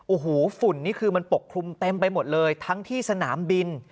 โอ้โหฝุ่นนี่คือมันปกคลุมเต็มไปหมดเลยทั้งที่สนามบิน